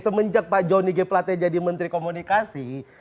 semenjak pak jonny g plate jadi menteri komunikasi